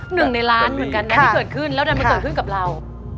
หนึ่งในล้านเหมือนกันนะที่เกิดขึ้นแล้วดันมาเกิดขึ้นกับเรา